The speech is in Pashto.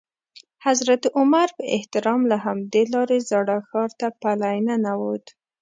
حضرت عمر په احترام له همدې لارې زاړه ښار ته پلی ننوت.